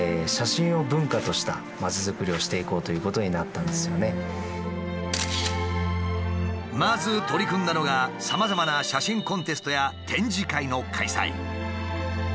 ここでまず取り組んだのがさまざまな写真コンテストや展示会の開催。